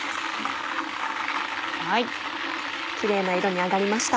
キレイな色に揚がりました。